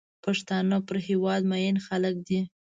پښتانه پر هېواد مین خلک دي.